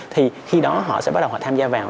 thì khi đó họ sẽ bắt đầu họ tham gia vào